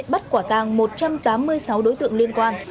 bắt quả tàng một trăm tám mươi sáu đối tượng liên quan